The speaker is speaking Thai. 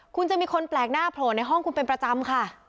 คุณจะมีคนแปลกหน้าโผล่ในห้องคุณเป็นประจำค่ะ